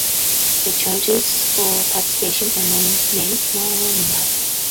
The charges for participation are nominal.